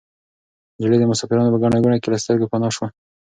نجلۍ د مسافرانو په ګڼه ګوڼه کې له سترګو پناه شوه.